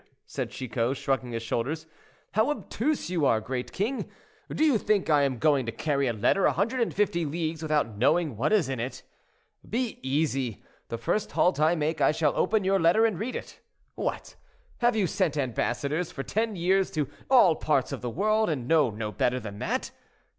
said Chicot, shrugging his shoulders, "how obtuse you are, great king. Do you think I am going to carry a letter a hundred and fifty leagues without knowing what is in it? Be easy, the first halt I make I shall open your letter and read it. What! have you sent ambassadors for ten years to all parts of the world, and know no better than that?